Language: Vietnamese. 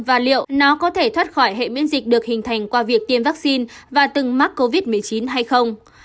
và liệu nó có thể thoát khỏi hệ miễn dịch được hình thành qua việc tiêm vaccine và từng mắc covid một mươi chín hay không